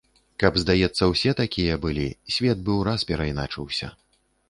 Каб, здаецца, усе такія былі, свет бы ўраз перайначыўся.